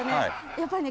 やっぱりね。